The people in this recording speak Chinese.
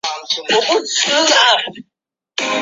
湄公河流入安江省后分前江与后江。